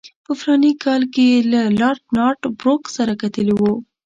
په فلاني کال کې یې له لارډ نارت بروک سره کتلي وو.